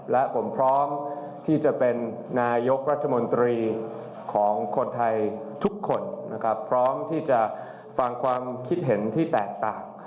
และผมพร้อมที่จะเป็นนายกรัฐมนตรีของคนไทยทุกคนนะครับพร้อมที่จะฟังความคิดเห็นที่แตกต่าง